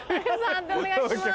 判定お願いします。